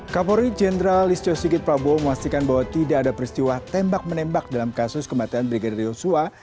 kapolri jenderal listio sigit prabowo memastikan bahwa tidak ada peristiwa tembak menembak dalam kasus kematian brigadir yosua